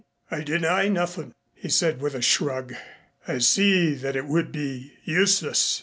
"I deny nothing," he said with a shrug. "I see that it would be useless."